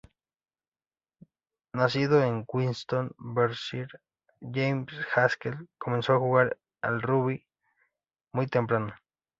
Nacido en Windsor, Berkshire, James Haskell comenzó a jugar al rugby muy temprano.